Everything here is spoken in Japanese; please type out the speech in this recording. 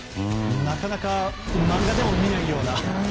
なかなか漫画でも見ないような。